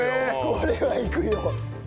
これはいくよ。